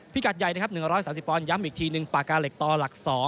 กัดใหญ่นะครับ๑๓๐ปอนดย้ำอีกทีหนึ่งปากกาเหล็กต่อหลัก๒